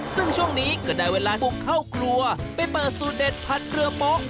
ซึ่งช่วงนี้ก็ได้เวลาบุกเข้าครัวไปเปิดสูตรเด็ดผัดเรือโป๊ะ